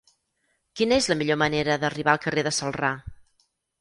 Quina és la millor manera d'arribar al carrer de Celrà?